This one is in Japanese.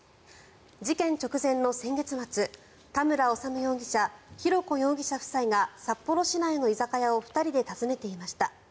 事件直前の先月末田村修容疑者・浩子容疑者夫妻が札幌市内の居酒屋を２人で訪ねていました。